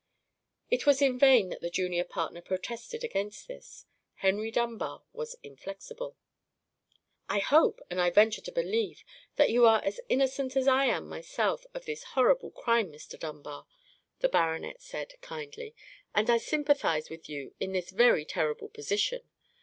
It was in vain that the junior partner protested against this. Henry Dunbar was inflexible. "I hope, and I venture to believe, that you are as innocent as I am myself of this horrible crime, Mr. Dunbar," the baronet said, kindly; "and I sympathize with you in this very terrible position.